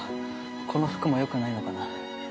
この服もよくないのかな？